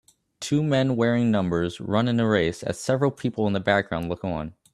Two men wearing numbers run in a race as several people in the background look on